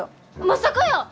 まさかやー！